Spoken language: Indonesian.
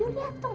you lihat dong